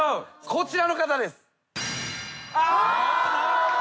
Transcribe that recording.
こちらの方です。